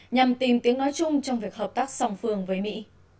nhằm tìm tiếng nói chung trong việc hợp tác song phương với mỹ